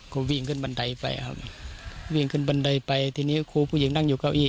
ก็วิ่งขึ้นบันไดไปครับวิ่งขึ้นบันไดไปทีนี้ครูผู้หญิงนั่งอยู่เก้าอี